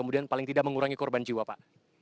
kemudian paling tidak mengurangi korban jiwa pak